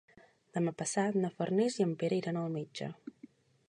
Demà passat na Farners i en Pere iran al metge.